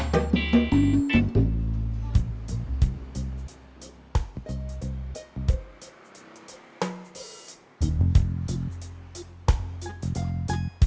saya akan menghentikan kekuatan